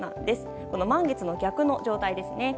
満月の逆の状態ですね。